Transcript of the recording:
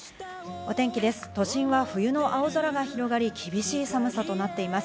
お天気です。